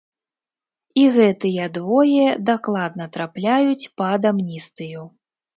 І гэтыя двое дакладна трапляюць пад амністыю.